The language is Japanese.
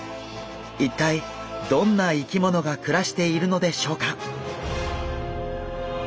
一体どんな生き物が暮らしているのでしょうか？